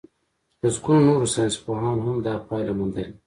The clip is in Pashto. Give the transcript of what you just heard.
لسګونو نورو ساينسپوهانو هم دا پايله موندلې.